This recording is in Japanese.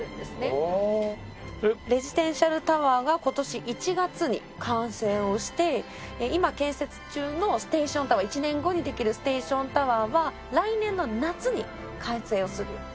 レジデンシャルタワーが今年１月に完成をして今建設中のステーションタワー１年後にできるステーションタワーは来年の夏に完成をする。